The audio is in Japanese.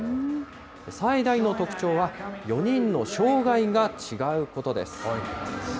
最大の特徴は４人の障害が違うことです。